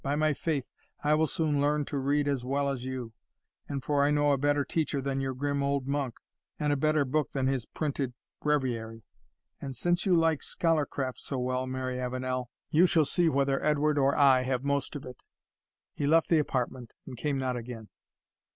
By my faith, I will soon learn to read as well as you; and for I know a better teacher than your grim old monk, and a better book than his printed breviary; and since you like scholarcraft so well, Mary Avenel, you shall see whether Edward or I have most of it." He left the apartment, and came not again.